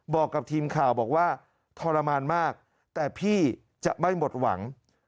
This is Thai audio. บอกกับทีมข่าวบอกว่าทรมานมากแต่พี่จะไม่หมดหวัง